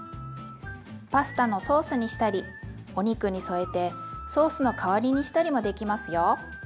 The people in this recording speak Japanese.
パスタのソースにしたりお肉に添えてソースの代わりにしたりもできますよ。